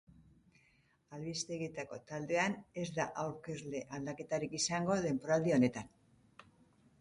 Albistegietako taldean ez da aurkezle aldaketarik izango denboraldi honetan.